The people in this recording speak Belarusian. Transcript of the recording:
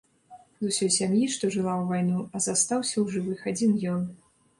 З усёй сям'і, што жыла ў вайну, застаўся ў жывых адзін ён.